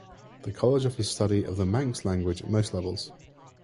The college offers study of the Manx language at most levels.